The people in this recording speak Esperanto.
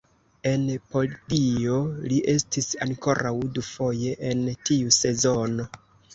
En podio li estis ankoraŭ dufoje en tiu sezono.